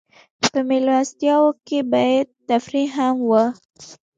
په مېلمستیاوو کې به تفریح هم وه.